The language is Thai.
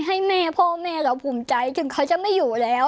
ให้แม่พ่อแม่เราภูมิใจถึงเขาจะไม่อยู่แล้ว